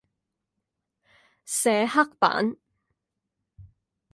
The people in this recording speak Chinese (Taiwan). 寫黑板